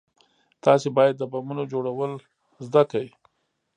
تاسې بايد د بمونو جوړول زده كئ.